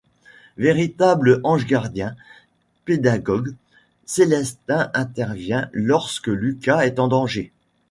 Véritable ange gardien, pédagogue, Célestin intervient lorsque Lucas est en danger.